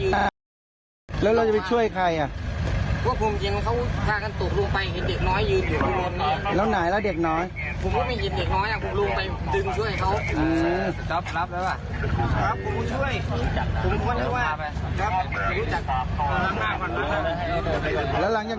ทำดึงเขาเด็กเขากำลังดึงเด็กเขากำลังดึง